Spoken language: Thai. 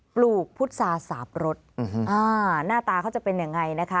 ปลูกพุษาสาบรสหน้าตาเขาจะเป็นอย่างไร